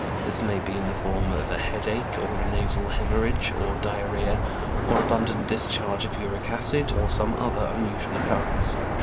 This may be in the form of a headache, or a nasal hæmorrhage, or diarrhoea, or abundant discharge of uric acid, or some other unusual occurrence.